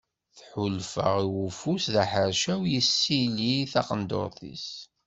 Tḥulfa i ufus d aḥercawan yessili taqendurt-is.